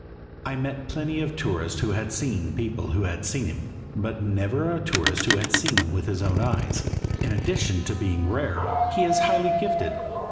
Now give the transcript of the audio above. I met plenty of tourists who had seen people who had seen him, but never a tourist who had seen him with his own eyes. In addition to being rare, he is highly gifted.